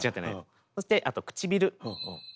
そしてあと唇。